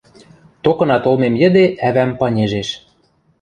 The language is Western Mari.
Токына толмем йӹде ӓвӓм панежеш: